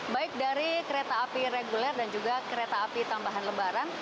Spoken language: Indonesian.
baik dari kereta api reguler dan juga kereta api tambahan lebaran